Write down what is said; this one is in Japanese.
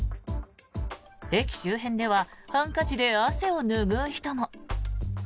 駅周辺ではハンカチで汗を拭う人も。